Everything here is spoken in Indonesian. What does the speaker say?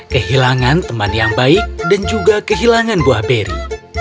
kehilangan teman yang baik dan juga kehilangan buah beri